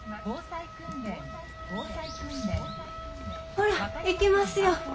ほら行きますよ。